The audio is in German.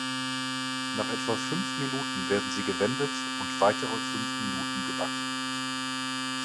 Nach etwa fünf Minuten werden sie gewendet und weitere fünf Minuten gebacken.